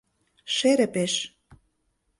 — Шере пеш.